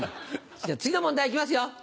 じゃあ、次の問題いきますよ。